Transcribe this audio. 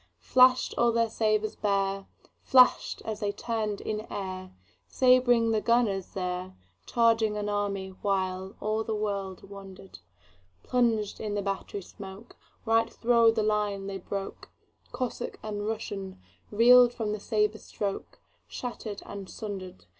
Flash'd all their sabres bare, Flash'd as they turn'd in airSabring the gunners there, Charging an army, whileAll the world wonder'd:Plunged in the battery smokeRight thro' the line they broke; Cossack and RussianReel'd from the sabre strokeShatter'd and sunder'd.